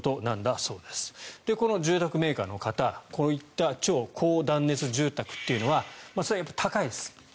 この住宅メーカーの方こういった超高断熱住宅というのは、それは高いです。